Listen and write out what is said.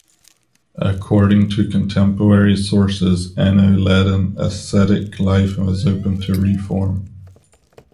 According to contemporary sources, Anno led an ascetic life and was open to reform.